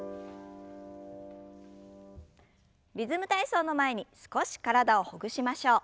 「リズム体操」の前に少し体をほぐしましょう。